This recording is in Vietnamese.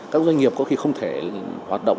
các doanh nghiệp có khi không thể hoạt động